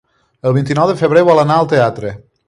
El vint-i-nou de febrer vol anar al teatre.